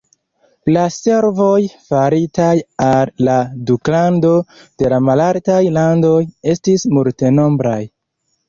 La servoj faritaj al la duklando de la Malaltaj Landoj estis multenombraj.